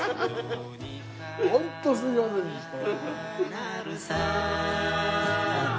ホントすいませんでした。